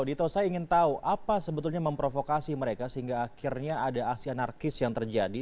dito saya ingin tahu apa sebetulnya memprovokasi mereka sehingga akhirnya ada aksi anarkis yang terjadi